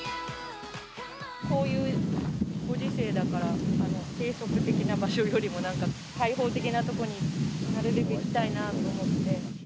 こういうご時世だから、閉塞的な場所よりも、なんか、開放的な所になるべく行きたいなと思って。